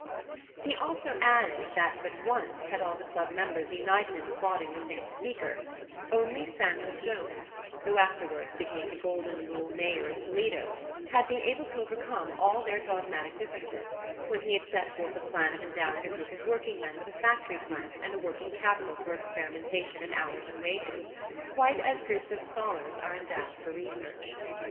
He also added that but once had all the club members united in applauding the same speaker; only Samuel Jones, who afterwards became the "golden rule" mayor of Toledo, had been able to overcome all their dogmatic differences, when he had set forth a plan of endowing a group of workingmen with a factory plant and a working capital for experimentation in hours and wages, quite as groups of scholars are endowed for research.